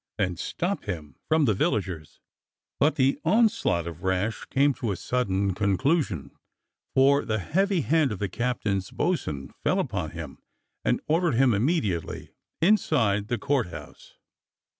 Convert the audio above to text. and "Stop him!" from the villagers. But the onslaught of Rash came to a sudden conclusion, for the heavy hand of the captain's bo'sun fell upon him and ordered him immediately inside the Court House.